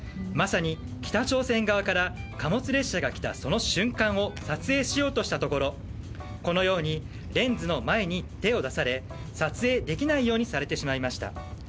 まさに、北朝鮮側から貨物列車が来たその瞬間を撮影しようとしたところこのようにレンズの前に手を出され撮影できないようにされてしまいました。